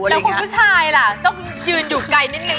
แล้วคุณผู้ชายล่ะต้องยืนอยู่ไกลนิดนึ